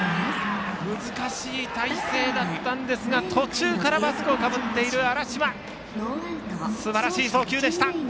難しい体勢だったんですが途中からマスクをかぶっている荒島のすばらしい送球でした。